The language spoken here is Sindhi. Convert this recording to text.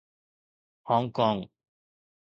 Hong Kong